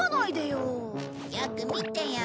よく見てよ。